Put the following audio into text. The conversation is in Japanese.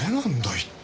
一体。